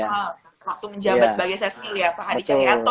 waktu menjabat sebagai setmil ya pak adi cahyanto